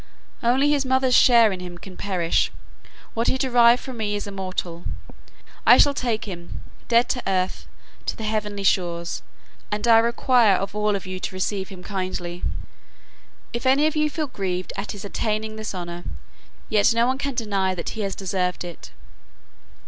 Only his mother's share in him can perish; what he derived from me is immortal. I shall take him, dead to earth, to the heavenly shores, and I require of you all to receive him kindly. If any of you feel grieved at his attaining this honor, yet no one can deny that he has deserved it."